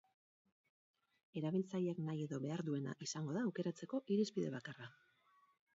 Erabiltzaileak nahi edo behar duena izango da aukeratzeko irizpide bakarra.